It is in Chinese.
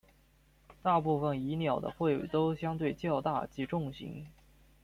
大部份蚁鸟的喙都相对较大及重型。